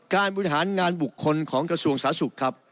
การผู้อิษฐานงานบุคคลของกระทรวงสาธุศูนย์ครับ